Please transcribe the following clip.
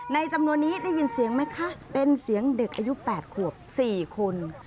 จำนวนนี้ได้ยินเสียงไหมคะเป็นเสียงเด็กอายุ๘ขวบ๔คน